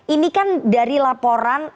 ini kan dari laporan